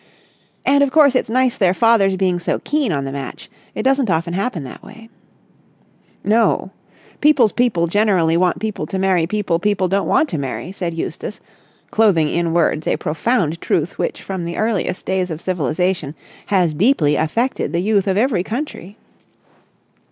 "And, of course, it's nice their fathers being so keen on the match. It doesn't often happen that way." "No. People's people generally want people to marry people people don't want to marry," said Eustace, clothing in words a profound truth which from the earliest days of civilisation has deeply affected the youth of every country.